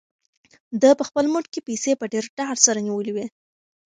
ده په خپل موټ کې پیسې په ډېر ډاډ سره نیولې وې.